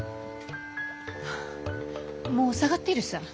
もう下がっているさ。